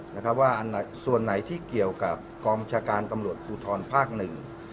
นะครับว่าอันตรายส่วนไหนที่เกี่ยวกับกรอบหชาการตำลวดโพลีภาคหนึ่ง